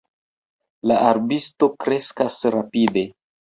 La arbusto kreskas rapide.